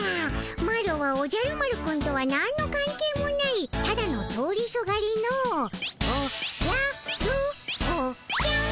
マロはおじゃる丸くんとはなんのかん係もないただの通りすがりのおじゃる子ちゃん。